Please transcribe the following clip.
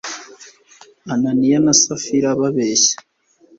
ananiya na safira babeshya